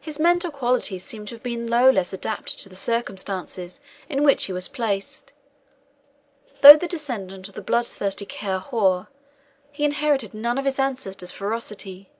His mental qualities seem to have been no less adapted to the circumstances in which he was placed. Though the descendant of the blood thirsty Ciar Mhor, he inherited none of his ancestor's ferocity.